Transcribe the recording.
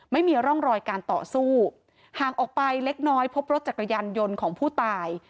ไม่มีร่องรอยการต่อสู้ห่างออกไปเล็กน้อยพบรถจักรยานยนต์ของผู้ตาย